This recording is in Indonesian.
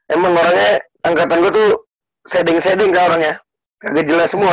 emang orangnya angkatan gua tuh setting setting kan orangnya gak jelas semua